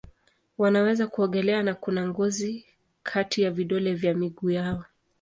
Wanaweza kuogelea na kuna ngozi kati ya vidole vya miguu yao.